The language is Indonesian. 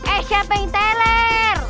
eh siapa yang teler